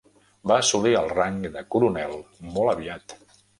Va assolir el rang de coronel molt aviat.